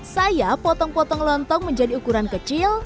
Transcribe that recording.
saya potong potong lontong menjadi ukuran kecil